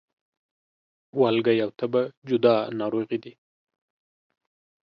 والګی او تبه جدا ناروغي دي